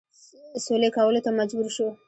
سولي کولو ته مجبور شو.